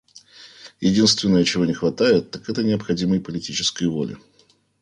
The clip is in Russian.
Единственное, чего не хватает, так это необходимой политической воли.